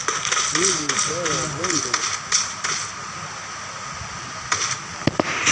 Jim yedda ɣer London.